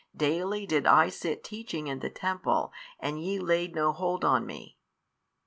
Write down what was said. daily did I sit teaching in the temple and ye laid no hold on Me.